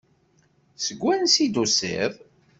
Seg wansi i d-tusiḍ?